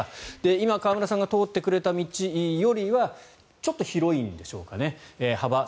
今、河村さんが通ってくれた道よりはちょっと広いんでしょうかね。